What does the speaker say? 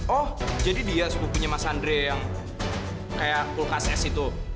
oh jadi dia bukunya mas andre yang kayak kulkas s itu